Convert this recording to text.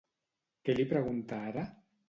Què li pregunta ara?